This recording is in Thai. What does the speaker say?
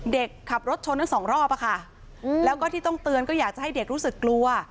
เด็กขับรถชนทั้งสองรอบอะค่ะแล้วก็ที่ต้องเตือนก็อยากจะให้เด็กรู้สึกกลัว